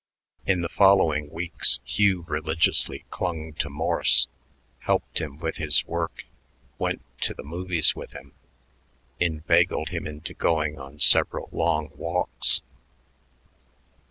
In the following weeks Hugh religiously clung to Morse, helped him with his work, went to the movies with him, inveigled him into going on several long walks.